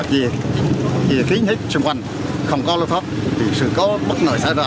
sau khi có cano mà kia kín hết xung quanh không có lo lắng thoát thì sự có bất nợ xảy ra